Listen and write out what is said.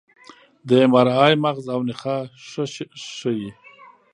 د اېم ار آی مغز او نخاع ښه ښيي.